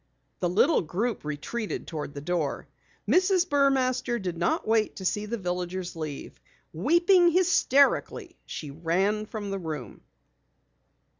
The little group retreated toward the door. Mrs. Burmaster did not wait to see the villagers leave. Weeping hysterically, she ran from the room.